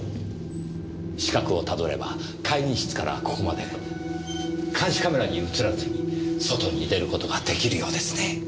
死角をたどれば会議室からここまで監視カメラに映らずに外に出ることが出来るようですね。